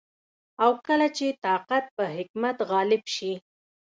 او کله چي طاقت په حکمت غالب سي